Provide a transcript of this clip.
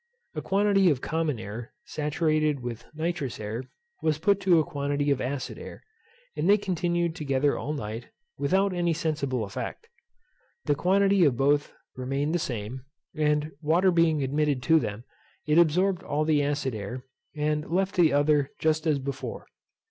A quantity of common air saturated with nitrous air was put to a quantity of acid air, and they continued together all night, without any sensible effect. The quantity of both remained the same, and water being admitted to them, it absorbed all the acid air, and left the other just as before.